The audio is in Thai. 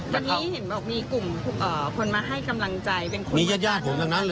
ตอนนี้เห็นบอกมีกลุ่มคนมาให้กำลังใจเป็นคนมาให้กำลังใจ